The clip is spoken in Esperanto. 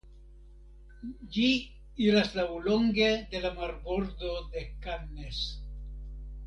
Ĝi iras laŭlonge de la marbordo de Cannes.